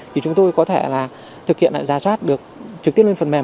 thì chúng tôi có thể là thực hiện lại giả soát được trực tiếp lên phần mềm